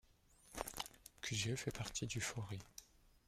Cuzieu fait partie du Forez.